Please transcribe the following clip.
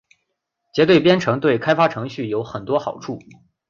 结对编程对开发程序有很多好处。